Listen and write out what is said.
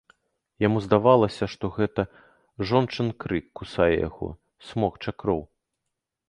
Яму здавалася, што гэта жончын крык кусае яго, смокча кроў.